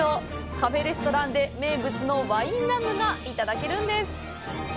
カフェレストランで名物のワインラムがいただけるんです。